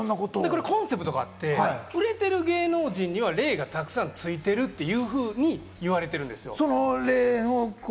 これ、コンセプトがあって、売れてる芸人には霊がたくさんついてるというふうに言われてるんですよ。